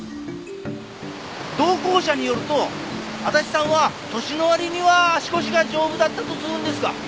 同行者によると足立さんは年の割には足腰が丈夫だったっつうんですが。